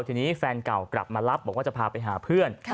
ทีนี้แฟนก่อหลับมารับให้พาไปหาเพื่อน